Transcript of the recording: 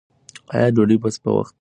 آیا ډوډۍ به په وخت تیاره شي؟